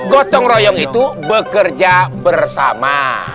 gotong royong itu bekerja bersama